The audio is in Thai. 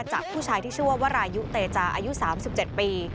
จากผู้ชายที่ชื่อว่าวรายุเตจาอายุ๓๗ปี